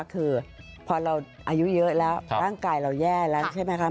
คือพอเราอายุเยอะแล้วร่างกายเราแย่แล้วใช่ไหมคะ